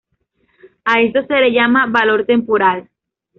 A esto se le llama Valor temporal.